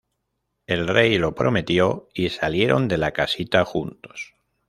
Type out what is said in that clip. El rey lo prometió y salieron de la casita juntos.